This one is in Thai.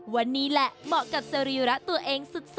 วันนี้แหละเหมาะกับสรีระตัวเองสุด